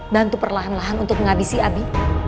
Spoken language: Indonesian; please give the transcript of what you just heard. bantu perlahan lahan untuk menghabisi abi